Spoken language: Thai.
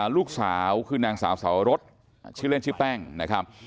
ลูกสาวคือนางสาวสาวรสชื่อเล่นชื่อแป้งนะครับ